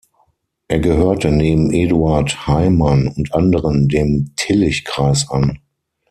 Er gehörte neben Eduard Heimann und anderen dem Tillich-Kreis an.